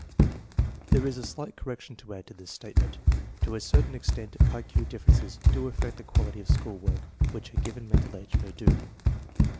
There is a slight correction to add to this statement. To a certain extent I Q differences do affect the qual ity of school work which a given mental age may do.